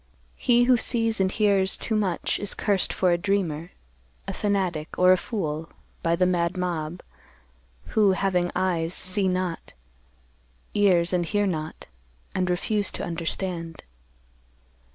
He who sees and hears too much is cursed for a dreamer, a fanatic, or a fool, by the mad mob, who, having eyes, see not, ears and hear not, and refuse to understand.